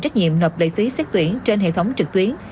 trách nhiệm nộp lệ phí xét tuyển trên hệ thống trực tuyến